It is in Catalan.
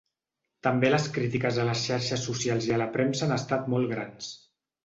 També les crítiques a les xarxes socials i la premsa han estat molt grans.